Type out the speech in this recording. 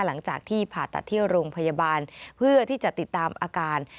หลังจากที่ผ่าตัดที่โรงพยาบาลเพื่อที่จะติดตามอาการ